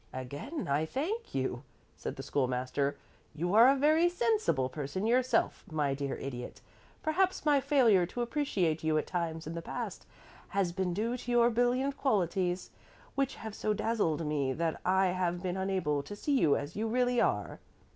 "Again I thank you," said the School master. "You are a very sensible person yourself, my dear Idiot; perhaps my failure to appreciate you at times in the past has been due to your brilliant qualities, which have so dazzled me that I have been unable to see you as you really are."